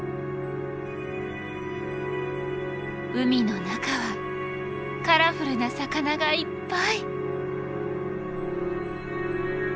海の中はカラフルな魚がいっぱい！